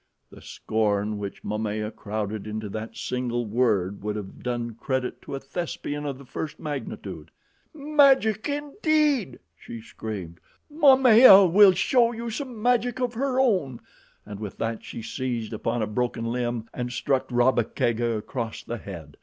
The scorn which Momaya crowded into that single word would have done credit to a Thespian of the first magnitude. "Magic, indeed!" she screamed. "Momaya will show you some magic of her own," and with that she seized upon a broken limb and struck Rabba Kega across the head.